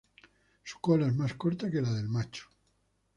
Su cola es más corta que la del macho.